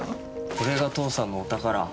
これが父さんのお宝。